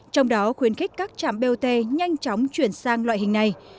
trong đó khuyến khích các trạm bot nhanh chóng chuyển sang loại hình này